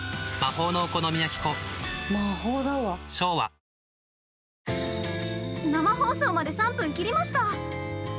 「ミノン」◆生放送まで３分切りました！